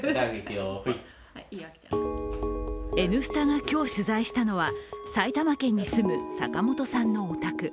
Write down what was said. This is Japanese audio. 「Ｎスタ」が今日、取材したのは埼玉県に住む坂本さんのお宅。